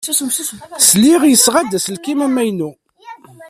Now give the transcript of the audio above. Sliɣ yesɣa-d aselkim amaynu.